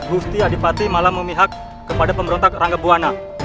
gusti adipati malah memihak kepada pemberontak rangga buwana